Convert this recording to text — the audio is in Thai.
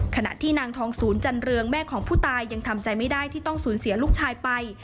ขณะที่นางทองศูนย์จันเรืองแม่ของผู้ตายยังทำใจไม่ได้ที่ต้องสูญเสียลูกชายไป